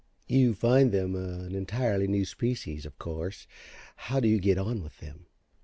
"You find them an entirely new species, of course. How do you get on with them?"